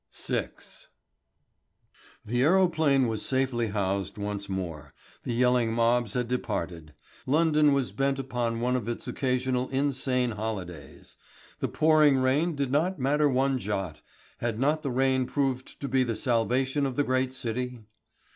VI. The aerophane was safely housed once more, the yelling mob had departed. London was bent upon one of its occasional insane holidays. The pouring rain did not matter one jot had not the rain proved to be the salvation of the great city?